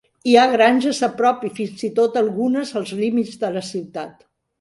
Hi ha granges a prop i fins i tot algunes als límits de la ciutat.